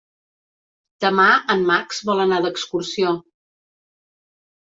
Demà en Max vol anar d'excursió.